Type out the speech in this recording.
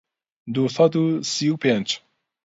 دوو سەد و سی و پێنج